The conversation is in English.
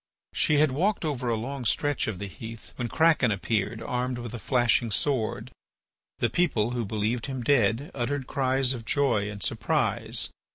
She had walked over a long stretch of the heath when Kraken appeared armed with a flashing sword. The people, who believed him dead, uttered cries of joy and surprise.